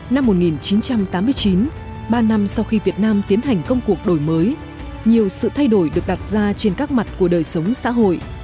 năm một nghìn chín trăm tám mươi chín ba năm sau khi việt nam tiến hành công cuộc đổi mới nhiều sự thay đổi được đặt ra trên các mặt của đời sống xã hội